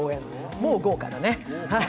もう豪華だね。